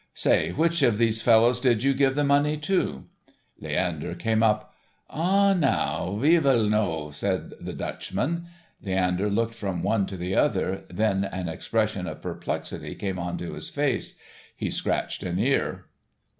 "Say, which of these fellows did you give that money to?" Leander came up. "Ah h, now we vill know," said the Dutchman. Leander looked from one to the other. Then an expression of perplexity came into his face. He scratched an ear.